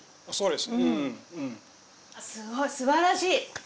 すごいすばらしい。